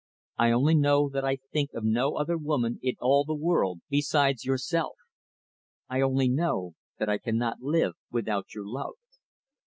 "I only know that I think of no other woman in all the world besides yourself. I only know that I cannot live without your love."